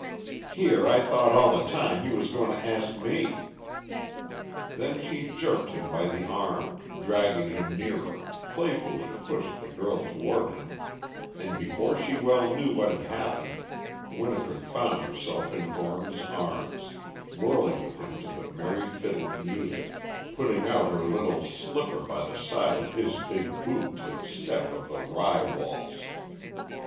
"Here I thought all the time you was goin' to ask me!" Then she jerked him by the arm, dragging him nearer, playfully pushed the girl toward him, and before she well knew what had happened Winifred found herself in Thornton's arms, whirling with him to the merry fiddled music, putting out her little slipper by the side of his big boot to the step of the rye waltz.